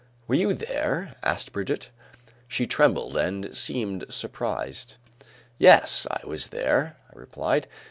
"Were you there?" asked Brigitte. She trembled and seemed surprised. "Yes, I was there," I replied.